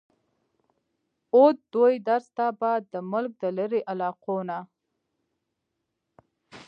اود دوي درس ته به د ملک د لرې علاقو نه